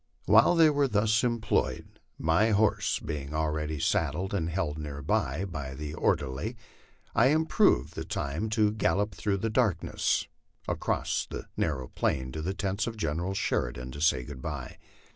While they were thus employed, my horse being already saddled and held near by, by the or derly, I improved the time to gallop through the darkness across the narrow plain to the tents of General Sheridan, and say good by.